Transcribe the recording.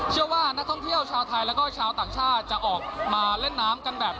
เชื่อว่านักท่องเที่ยวชาวไทยแล้วก็ชาวต่างชาติจะออกมาเล่นน้ำกันแบบ